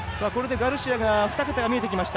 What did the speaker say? ガルシアが二桁が見えてきました。